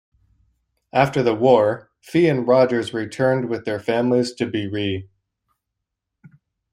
After the war, Fee and Rogers returned with their families to Berea.